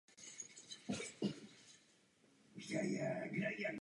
Dále se navýšil procentuální podíl vody a cukru.